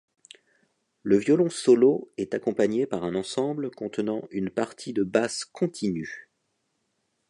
Le violon solo est accompagné par un ensemble contenant une partie de basse continue.